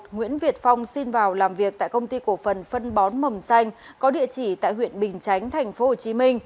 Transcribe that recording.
nguyễn việt phong xin vào làm việc tại công ty cổ phần phân bón mầm xanh có địa chỉ tại huyện bình chánh tp hcm